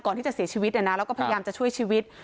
ก่อนที่จะเสียชีวิตเนี่ยนะแล้วก็พยายามจะช่วยชีวิต